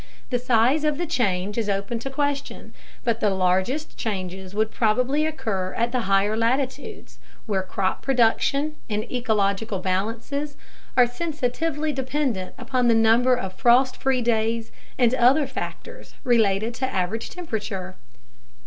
The size of the change is open to question, but the largest changes would probably occur at the higher latitudes, where crop production and ecological balances are sensitively dependent on the number of frost free days and other factors related to average temperature.